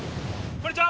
こんにちは。